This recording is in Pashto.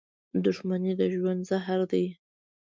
• دښمني د ژوند زهر دي.